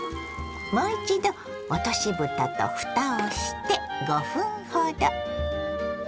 もう一度落としぶたとふたをして５分ほど。